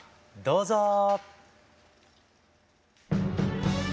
どうぞ。